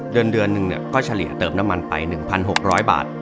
เดือนหนึ่งก็เฉลี่ยเติมน้ำมันไป๑๖๐๐บาท